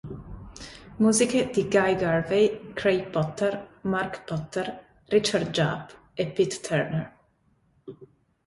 Musiche di Guy Garvey, Craig Potter, Mark Potter, Richard Jupp e Pete Turner.